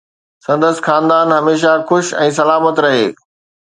سندس خاندان هميشه خوش ۽ سلامت رهي